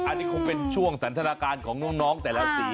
อันนี้คงเป็นช่วงสันทนาการของน้องแต่ละสี